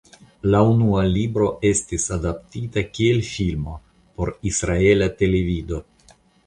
La unua libro estis adaptita kiel filmo por israela televido.